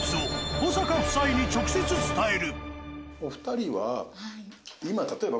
保坂夫妻に直接伝える。